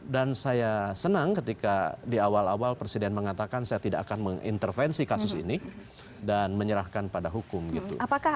dan saya senang ketika di awal awal presiden mengatakan saya tidak akan mengintervensi kasus ini dan menyerahkan pada hukum gitu